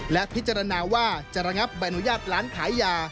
และพิจารณาว่าจะระงับใบอนุญาตร้านขายยา